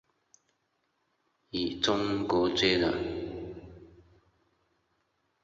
与中国接壤。